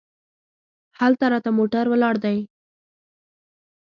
هلته راته موټر ولاړ دی.